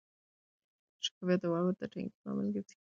شفافیت د باور د ټینګښت لامل ګرځي.